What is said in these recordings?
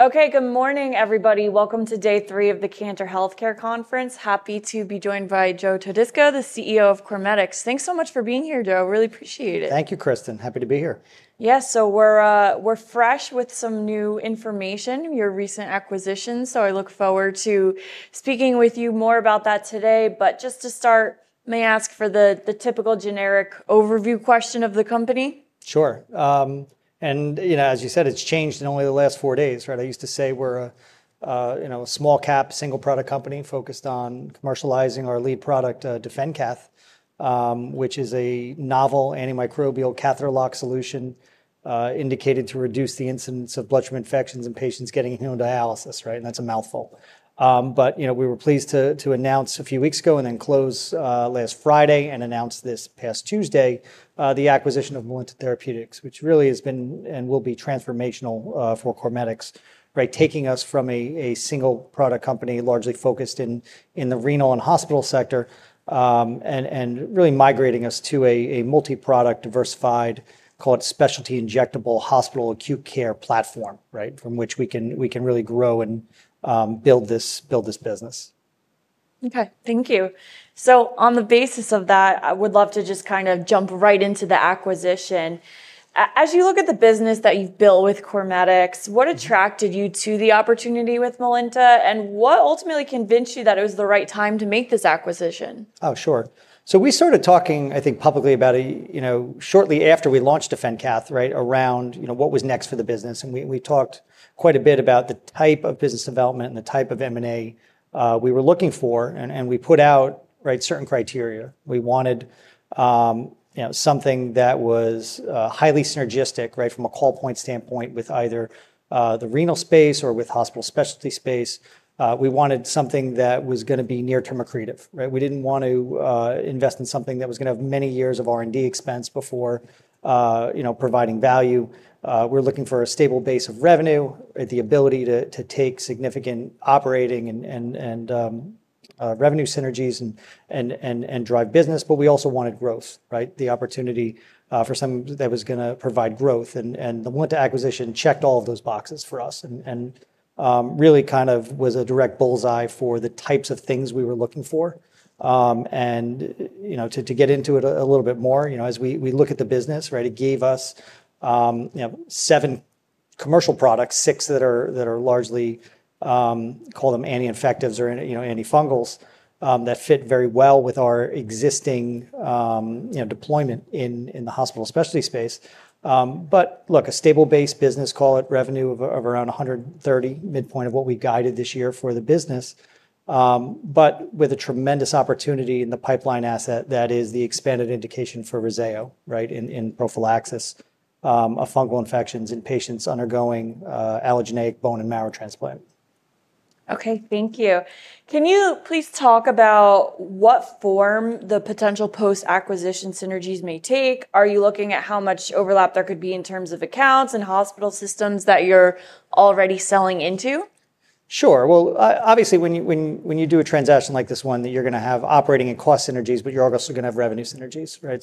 Okay, good morning, everybody. Welcome to day three of the Cantor Healthcare Conference. Happy to be joined by Joe Todisco, the CEO of CorMedix. Thanks so much for being here, Joe. Really appreciate it. Thank you, Kristen. Happy to be here. Yeah, we're fresh with some new information, your recent acquisition. I look forward to speaking with you more about that today. Just to start, may I ask for the typical generic overview question of the company? Sure. As you said, it's changed in only the last four days, right? I used to say we're a, you know, a small-cap single-product company focused on commercializing our lead product, DefenCath, which is a novel antimicrobial catheter lock solution, indicated to reduce the incidence of bloodstream infections in patients getting hemodialysis, right? That's a mouthful. We were pleased to announce a few weeks ago and then close last Friday and announce this past Tuesday the acquisition of Melinta Therapeutics, which really has been and will be transformational for CorMedix, right? Taking us from a single-product company largely focused in the renal and hospital sector, and really migrating us to a multi-product diversified, call it specialty injectable hospital acute care platform, right? From which we can really grow and build this business. Okay, thank you. On the basis of that, I would love to just kind of jump right into the acquisition. As you look at the business that you've built with CorMedix, what attracted you to the opportunity with Melinta? What ultimately convinced you that it was the right time to make this acquisition? Oh, sure. We started talking, I think, publicly about it shortly after we launched DefenCath, right? Around what was next for the business. We talked quite a bit about the type of business development and the type of M&A we were looking for. We put out certain criteria. We wanted something that was highly synergistic from a call point standpoint with either the renal space or with hospital specialty space. We wanted something that was going to be near-term accretive, right? We didn't want to invest in something that was going to have many years of R&D expense before providing value. We're looking for a stable base of revenue, the ability to take significant operating and revenue synergies and drive business. We also wanted growth, the opportunity for something that was going to provide growth. The Melinta acquisition checked all of those boxes for us. It really kind of was a direct bullseye for the types of things we were looking for. To get into it a little bit more, as we look at the business, it gave us seven commercial products, six that are largely, call them anti-infectives or antifungals, that fit very well with our existing deployment in the hospital specialty space. A stable base business, call it revenue of around $130 million, midpoint of what we guided this year for the business, but with a tremendous opportunity in the pipeline asset that is the expanded indication for REZZAYO, in prophylaxis of fungal infections in patients undergoing allogeneic bone marrow transplant. Okay, thank you. Can you please talk about what form the potential post-acquisition synergies may take? Are you looking at how much overlap there could be in terms of accounts and hospital systems that you're already selling into? Sure. Obviously, when you do a transaction like this one, you're going to have operating and cost synergies, but you're also going to have revenue synergies, right?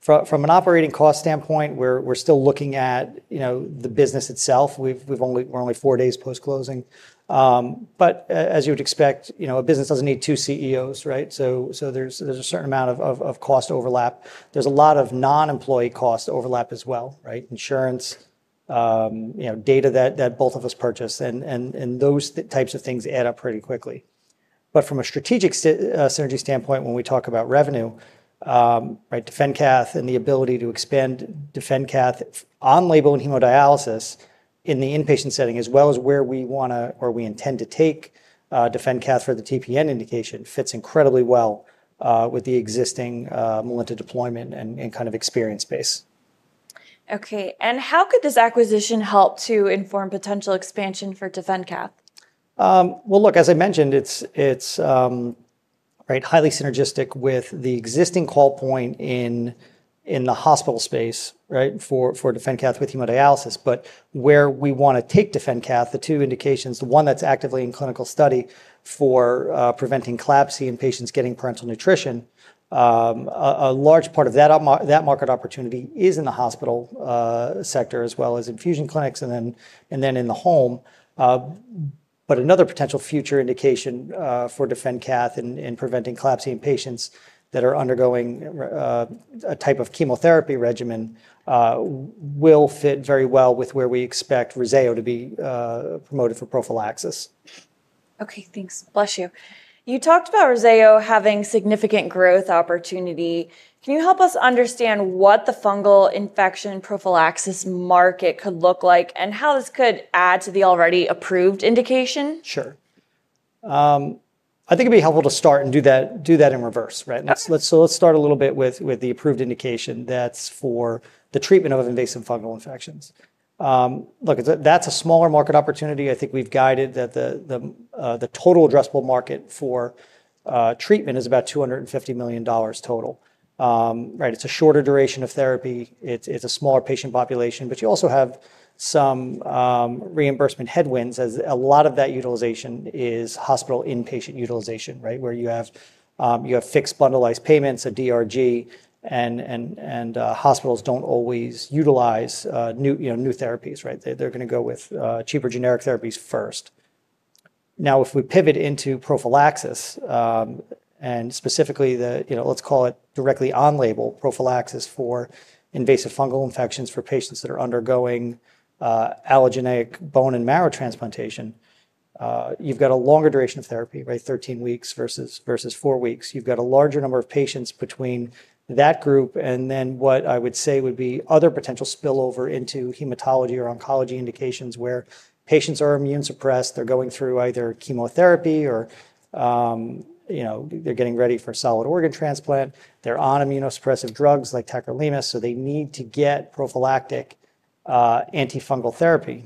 From an operating cost standpoint, we're still looking at, you know, the business itself. We're only four days post-closing, but as you would expect, you know, a business doesn't need two CEOs, right? There's a certain amount of cost overlap. There's a lot of non-employee cost overlap as well, right? Insurance, you know, data that both of us purchase, and those types of things add up pretty quickly. From a strategic synergy standpoint, when we talk about revenue, right, DefenCath and the ability to expand DefenCath on-label and hemodialysis in the inpatient setting, as well as where we want to, or we intend to take, DefenCath for the TPN indication fits incredibly well with the existing Melinta deployment and kind of experience base. Okay. How could this acquisition help to inform potential expansion for DefenCath? As I mentioned, it's highly synergistic with the existing call point in the hospital space, right, for DefenCath with hemodialysis. Where we want to take DefenCath, the two indications, the one that's actively in clinical study for preventing collapse in patients getting parenteral nutrition, a large part of that market opportunity is in the hospital sector, as well as infusion clinics and then in the home. Another potential future indication for DefenCath in preventing collapse in patients that are undergoing a type of chemotherapy regimen will fit very well with where we expect REZZAYO to be promoted for prophylaxis. Okay, thanks. Bless you. You talked about REZZAYO having significant growth opportunity. Can you help us understand what the fungal infection prophylaxis market could look like, and how this could add to the already approved indication? Sure. I think it'd be helpful to start and do that in reverse, right? Let's start a little bit with the approved indication that's for the treatment of invasive fungal infections. Look, that's a smaller market opportunity. I think we've guided that the total addressable market for treatment is about $250 million total, right? It's a shorter duration of therapy. It's a smaller patient population. You also have some reimbursement headwinds as a lot of that utilization is hospital inpatient utilization, right? You have fixed bundled payments, a DRG, and hospitals don't always utilize new therapies, right? They're going to go with cheaper generic therapies first. If we pivot into prophylaxis, and specifically the, you know, let's call it directly on-label prophylaxis for invasive fungal infections for patients that are undergoing allogeneic bone marrow transplantation, you've got a longer duration of therapy, right? Thirteen weeks versus four weeks. You've got a larger number of patients between that group. What I would say would be other potential spillover into hematology or oncology indications where patients are immune suppressed. They're going through either chemotherapy or, you know, they're getting ready for solid organ transplant. They're on immunosuppressive drugs like tacrolimus, so they need to get prophylactic antifungal therapy.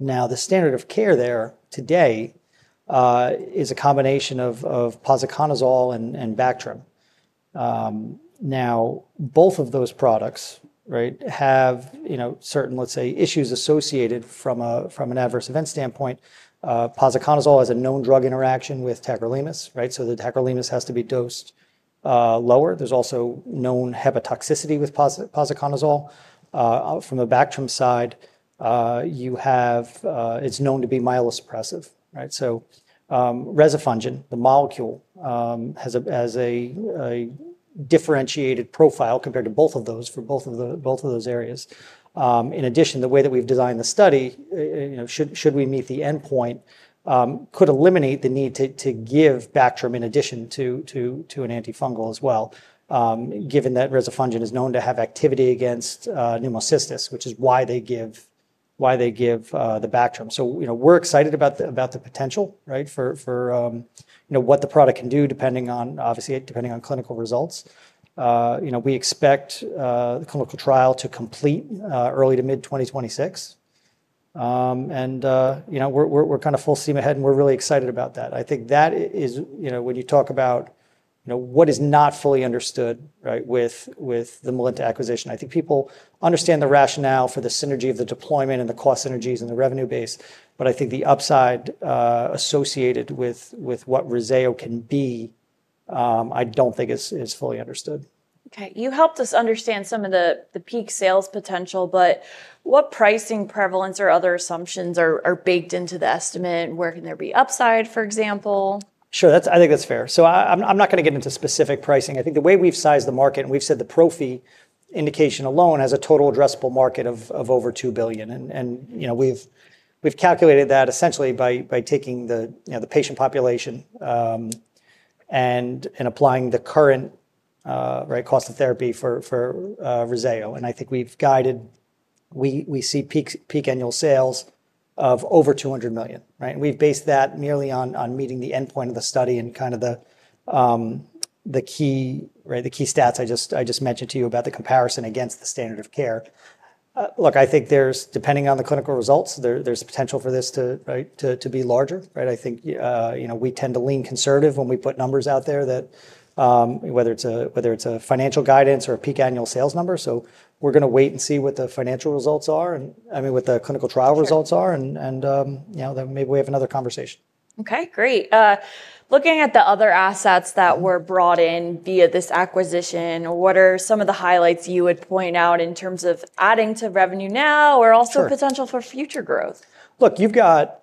The standard of care there today is a combination of posaconazole and Bactrim. Both of those products, right, have, you know, certain, let's say, issues associated from an adverse event standpoint. Posaconazole has a known drug interaction with tacrolimus, right? The tacrolimus has to be dosed lower. There's also known hepatotoxicity with posaconazole. From the Bactrim side, it's known to be myelosuppressive, right? Rezafungin, the molecule, has a differentiated profile compared to both of those for both of those areas. In addition, the way that we've designed the study, should we meet the endpoint, could eliminate the need to give Bactrim in addition to an antifungal as well, given that rezafungin is known to have activity against pneumocystis, which is why they give the Bactrim. We're excited about the potential, right, for what the product can do, obviously depending on clinical results. We expect the clinical trial to complete early to mid-2026. We're kind of full steam ahead and we're really excited about that. I think that is, when you talk about what is not fully understood, right, with the Melinta acquisition. People understand the rationale for the synergy of the deployment and the cost synergies and the revenue base. I think the upside associated with what REZZAYO can be, I don't think is fully understood. Okay. You helped us understand some of the peak sales potential, but what pricing, prevalence, or other assumptions are baked into the estimate? Where can there be upside, for example? Sure. I think that's fair. I'm not going to get into specific pricing. I think the way we've sized the market and we've said the pro-fee indication alone has a total addressable market of over $2 billion. We've calculated that essentially by taking the patient population and applying the current cost of therapy for REZZAYO. I think we've guided, we see peak annual sales of over $200 million. We've based that merely on meeting the endpoint of the study and the key stats I just mentioned to you about the comparison against the standard of care. I think there's, depending on the clinical results, potential for this to be larger. I think we tend to lean conservative when we put numbers out there, whether it's a financial guidance or a peak annual sales number. We're going to wait and see what the financial results are. I mean, what the clinical trial results are. Maybe we have another conversation. Okay, great. Looking at the other assets that were brought in via this acquisition, what are some of the highlights you would point out in terms of adding to revenue now or also potential for future growth? Look, you've got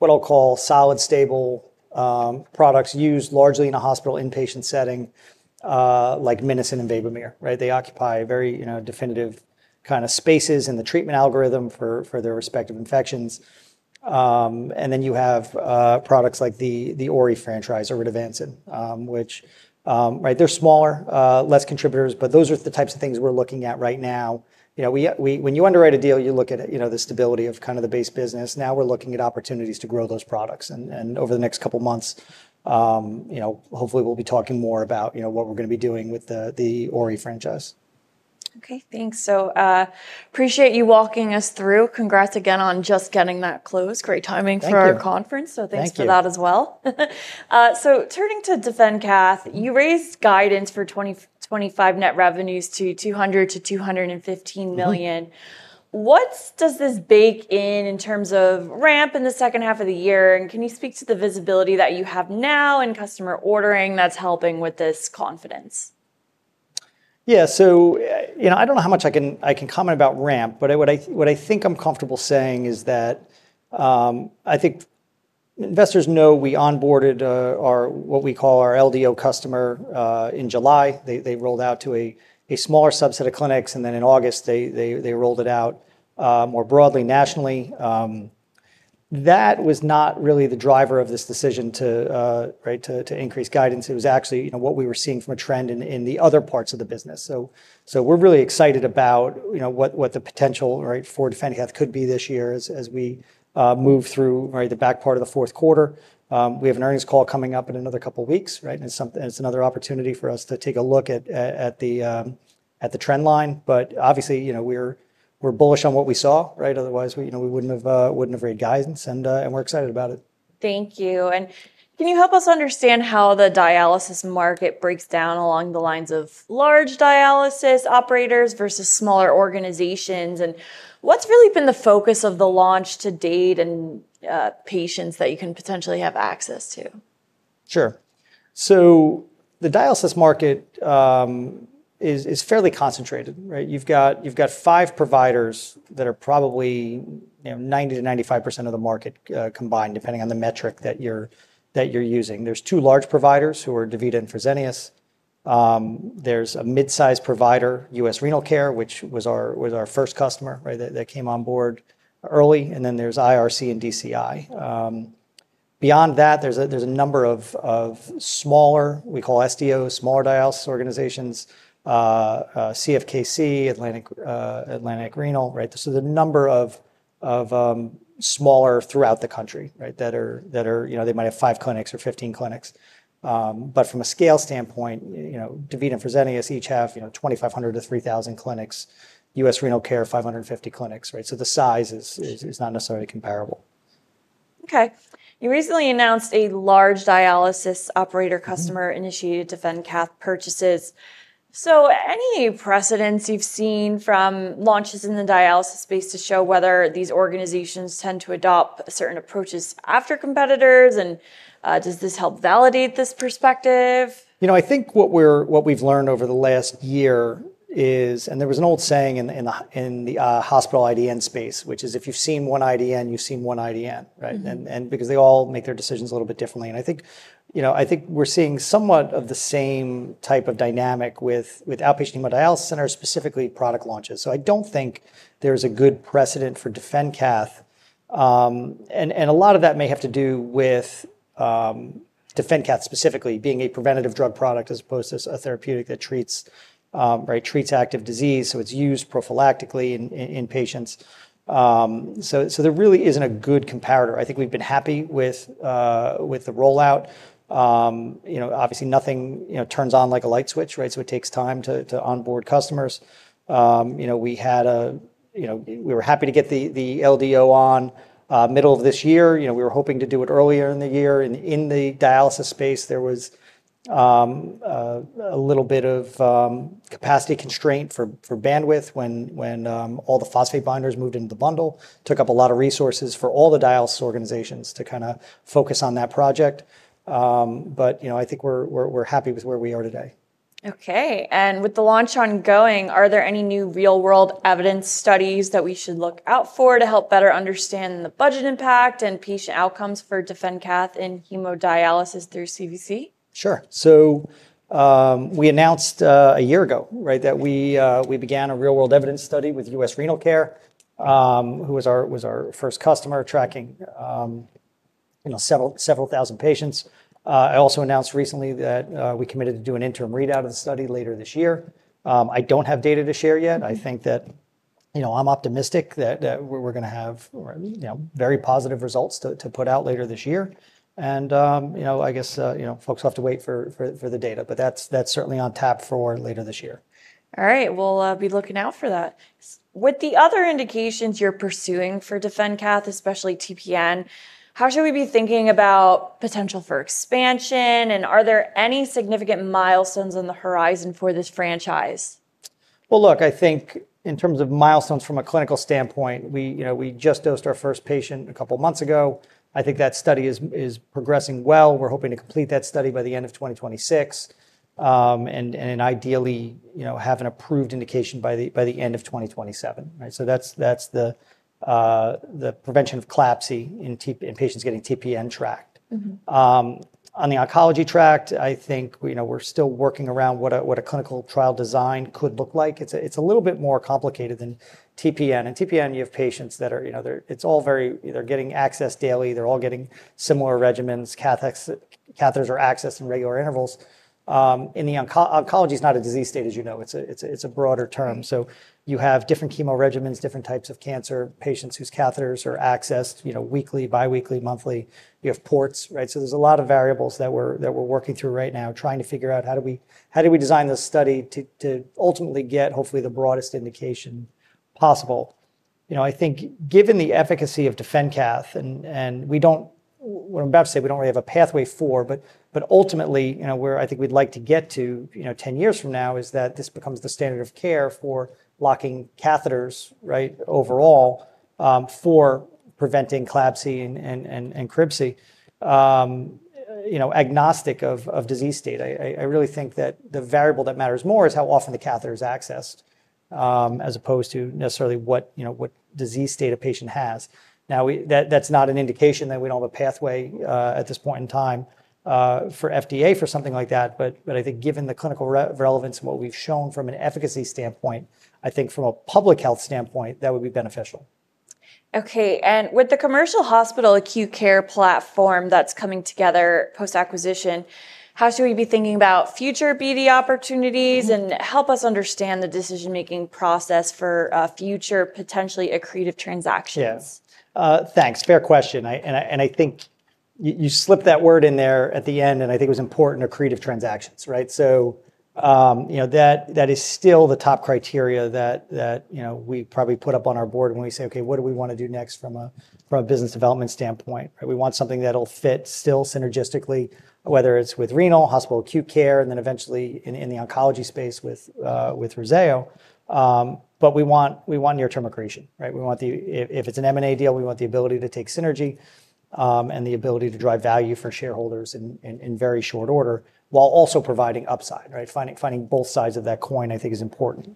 what I'll call solid, stable products used largely in a hospital inpatient setting, like Minocin and Vabomere. They occupy very, you know, definitive kind of spaces in the treatment algorithm for their respective infections. You have products like the ORI franchise over to Vansen, which, they're smaller, less contributors, but those are the types of things we're looking at right now. When you underwrite a deal, you look at the stability of kind of the base business. Now we're looking at opportunities to grow those products. Over the next couple of months, hopefully we'll be talking more about what we're going to be doing with the ORI franchise. Okay, thanks. I appreciate you walking us through. Congrats again on just getting that close. Great timing for our conference, thanks for that as well. Turning to DefenCath, you raised guidance for 2025 net revenues to $200 million- $215 million. What does this bake in in terms of ramp in the second half of the year? Can you speak to the visibility that you have now in customer ordering that's helping with this confidence? Yeah, I don't know how much I can comment about ramp, but what I think I'm comfortable saying is that I think investors know we onboarded what we call our LDO customer in July. They rolled out to a smaller subset of clinics, and then in August, they rolled it out more broadly nationally. That was not really the driver of this decision to increase guidance. It was actually what we were seeing from a trend in the other parts of the business. We're really excited about what the potential for DefenCath could be this year as we move through the back part of the fourth quarter. We have an earnings call coming up in another couple of weeks, right? It's another opportunity for us to take a look at the trend line. Obviously, we're bullish on what we saw, right? Otherwise, we wouldn't have read guidance, and we're excited about it. Thank you. Can you help us understand how the dialysis market breaks down along the lines of large dialysis operators versus smaller organizations? What's really been the focus of the launch to date and patients that you can potentially have access to? Sure. The dialysis market is fairly concentrated, right? You've got five providers that are probably, you know, 90%- 95% of the market combined, depending on the metric that you're using. There are two large providers who are DaVita and Fresenius. There's a mid-sized provider, U.S. Renal Care, which was our first customer, right? That came on board early. There is IRC and DCI. Beyond that, there's a number of smaller, we call SDOs, smaller dialysis organizations, CFKC, Atlantic Renal, right? There are a number of smaller throughout the country, right? They might have five clinics or 15 clinics. From a scale standpoint, you know, DaVita and Fresenius each have, you know, 2,500- 3,000 clinics. U.S. Renal Care, 550 clinics, right? The size is not necessarily comparable. Okay. You recently announced a large dialysis operator customer initiated DefenCath purchases. Are there any precedents you've seen from launches in the dialysis space to show whether these organizations tend to adopt certain approaches after competitors? Does this help validate this perspective? I think what we've learned over the last year is, there was an old saying in the hospital IDN space, which is if you've seen one IDN, you've seen one IDN, right? They all make their decisions a little bit differently. I think we're seeing somewhat of the same type of dynamic with outpatient hemodialysis centers, specifically product launches. I don't think there's a good precedent for DefenCath. A lot of that may have to do with DefenCath specifically being a preventative drug product as opposed to a therapeutic that treats active disease. It's used prophylactically in patients, so there really isn't a good comparator. I think we've been happy with the rollout. Obviously nothing turns on like a light switch, right? It takes time to onboard customers. We were happy to get the LDO on middle of this year. We were hoping to do it earlier in the year. In the dialysis space, there was a little bit of capacity constraint for bandwidth when all the phosphate binders moved into the bundle, took up a lot of resources for all the dialysis organizations to focus on that project. I think we're happy with where we are today. Okay. With the launch ongoing, are there any new real-world evidence studies that we should look out for to help better understand the budget impact and patient outcomes for DefenCath in hemodialysis through [CDC]? Sure. We announced a year ago that we began a real-world evidence study with U.S. Renal Care, who was our first customer tracking several thousand patients. I also announced recently that we committed to do an interim readout of the study later this year. I don't have data to share yet. I'm optimistic that we're going to have very positive results to put out later this year. I guess folks will have to wait for the data, but that's certainly on tap for later this year. All right. We'll be looking out for that. With the other indications you're pursuing for DefenCath, especially TPN, how should we be thinking about potential for expansion? Are there any significant milestones on the horizon for this franchise? I think in terms of milestones from a clinical standpoint, we just dosed our first patient a couple of months ago. I think that study is progressing well. We're hoping to complete that study by the end of 2026. Ideally, have an approved indication by the end of 2027. That's the prevention of collapse in patients getting TPN tracked. On the oncology track, I think we're still working around what a clinical trial design could look like. It's a little bit more complicated than TPN. In TPN, you have patients that are, it's all very, they're getting access daily. They're all getting similar regimens. Catheters are accessed in regular intervals. In oncology, it's not a disease state, as you know. It's a broader term. You have different chemo regimens, different types of cancer patients whose catheters are accessed weekly, biweekly, monthly. You have ports, right? There's a lot of variables that we're working through right now, trying to figure out how do we design this study to ultimately get hopefully the broadest indication possible. I think given the efficacy of DefenCath, and what I'm about to say, we don't really have a pathway for, but ultimately, where I think we'd like to get to, 10 years from now, is that this becomes the standard of care for locking catheters, overall, for preventing collapse and encryption, agnostic of disease state. I really think that the variable that matters more is how often the catheter is accessed, as opposed to necessarily what disease state a patient has. Now, that's not an indication that we don't have a pathway, at this point in time, for FDA for something like that. I think given the clinical relevance and what we've shown from an efficacy standpoint, I think from a public health standpoint, that would be beneficial. With the commercial hospital acute care platform that's coming together post-acquisition, how should we be thinking about future BD opportunities and help us understand the decision-making process for future potentially accretive transactions? Yes. Thanks. Fair question. I think you slipped that word in there at the end, and I think it was important, accretive transactions, right? That is still the top criteria that we probably put up on our board when we say, okay, what do we want to do next from a business development standpoint? We want something that'll fit still synergistically, whether it's with renal, hospital acute care, and eventually in the oncology space with REZZAYO. We want near-term accretion, right? If it's an M&A deal, we want the ability to take synergy and the ability to drive value for shareholders in very short order while also providing upside, right? Finding both sides of that coin, I think, is imoortant.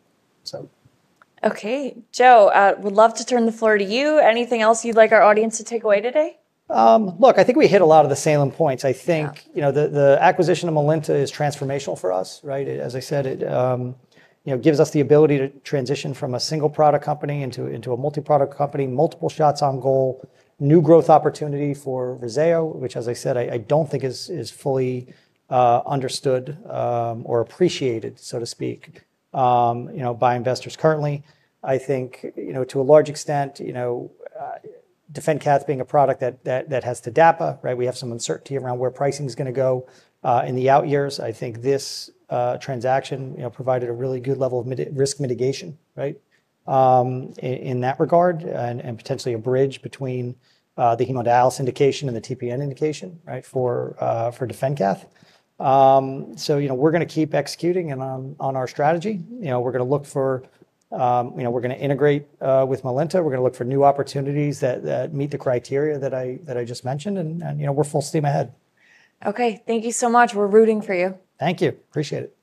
Okay. Joe, I would love to turn the floor to you. Anything else you'd like our audience to take away today? I think we hit a lot of the salient points. I think the acquisition of Melinta is transformational for us, right? As I said, it gives us the ability to transition from a single-product company into a multi-product company, multiple shots on goal, new growth opportunity for REZZAYO, which, as I said, I don't think is fully understood or appreciated, so to speak, by investors currently. I think, to a large extent, DefenCath being a product that has to DAPA, right? We have some uncertainty around where pricing is going to go in the out years. I think this transaction provided a really good level of risk mitigation in that regard and potentially a bridge between the hemodialysis indication and the TPN indication for DefenCath. We're going to keep executing on our strategy. We're going to integrate with Melinta. We're going to look for new opportunities that meet the criteria that I just mentioned, and we're full steam ahead. Okay, thank you so much. We're rooting for you. Thank you. Appreciate it.